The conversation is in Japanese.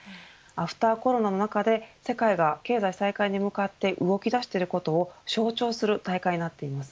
アフターコロナの中で世界が経済再開に向かって動き出していることを象徴する大会になっています。